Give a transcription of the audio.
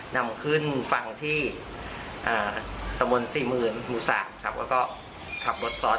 ก็คือจะมาให้รักษาพุทธต้น